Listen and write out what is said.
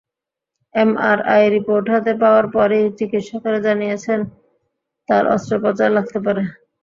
MRI report হাতে পাওয়ার পরই চিকিৎসকেরা জানিয়েছিলেন, তাঁর অস্ত্রোপচার লাগতে পারে।